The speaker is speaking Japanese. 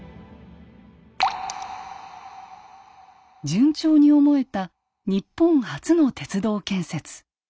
順調に思えた日本初の鉄道建設。